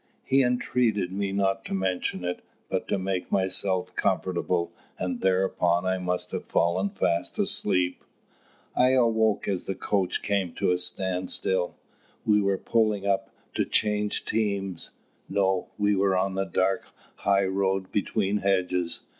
He entreated me not to mention it, but to make myself comfortable; and thereupon I must have fallen fast asleep. I awoke as the coach came to a standstill. Were we pulling up to change teams? No; we were on the dark high road, between hedges.